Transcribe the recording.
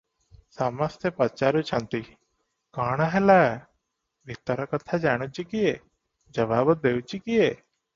ସମସ୍ତେ ପଚାରୁଛନ୍ତି, "କଣ ହେଲା?" ଭିତର କଥା ଜାଣୁଛି କିଏ, ଜବାବ ଦେଉଛି କିଏ?